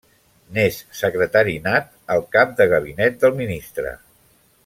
N'és secretari nat el cap de gabinet del ministre.